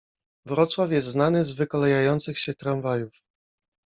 Wrocław jest znany z wykolejających się tramwajów.